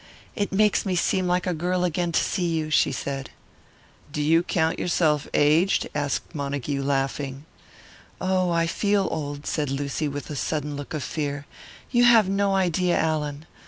"It makes me seem like a girl again to see you," she said. "Do you count yourself aged?" asked Montague, laughing. "Oh, I feel old," said Lucy, with a sudden look of fear, "you have no idea, Allan.